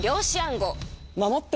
守って。